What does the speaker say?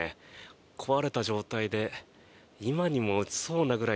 壊れた状態で今にも落ちそうなぐらい